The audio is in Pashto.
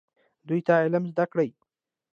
دوی ته علم زده کړئ